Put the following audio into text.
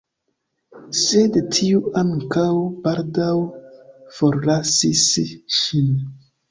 Sed tiu ankaŭ baldaŭ forlasis ŝin.